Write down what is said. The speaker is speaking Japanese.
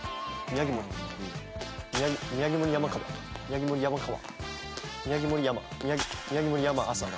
宮城森山。